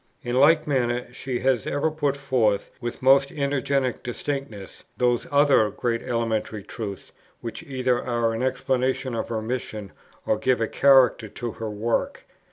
In like manner she has ever put forth, with most energetic distinctness, those other great elementary truths, which either are an explanation of her mission or give a character to her work.